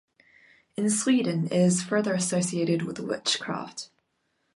In Sweden, it is further associated with witchcraft.